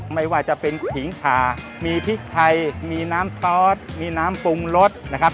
ไม่ว่าจะเป็นขิงขามีพริกไทยมีน้ำซอสมีน้ำปรุงรสนะครับ